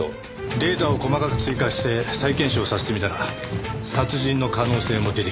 データを細かく追加して再検証させてみたら殺人の可能性も出てきたと。